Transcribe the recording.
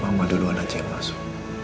mama duluan aja yang masuk